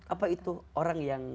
apa itu orang yang